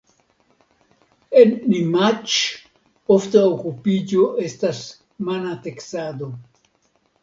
En Nimaĉ ofta okupiĝo estas mana teksado.